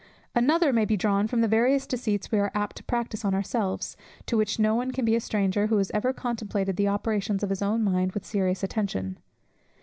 Another may be drawn from the various deceits we are apt to practice on ourselves, to which no one can be a stranger, who has ever contemplated the operations of his own mind with serious attention.